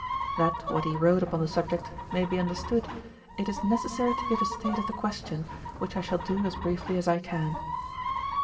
That what he wrote upon the subject may be understood, it is necessary to give a state of the question, which I shall do as briefly as I can.